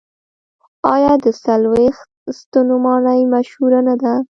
آیا د څلوېښت ستنو ماڼۍ مشهوره نه ده؟